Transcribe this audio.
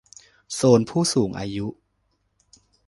โซนผู้สูงอายุ